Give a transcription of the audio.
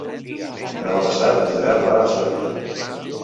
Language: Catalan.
Demà passat en Gerard va a Sóller.